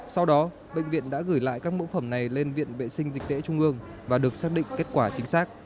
sau đó bệnh viện đã gửi lại các mẫu phẩm này lên viện vệ sinh dịch tễ trung ương và được xác định kết quả chính xác